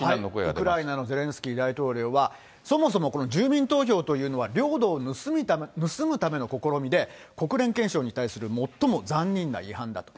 ウクライナのゼレンスキー大統領は、そもそもこの住民投票というのは、領土を盗むための試みで、国連憲章に対する最も残忍な違反だと。